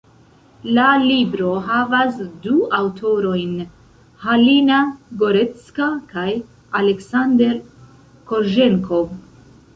La libro havas du aŭtorojn, Halina Gorecka kaj Aleksander Korĵenkov.